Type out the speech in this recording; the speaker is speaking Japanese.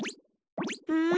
うん？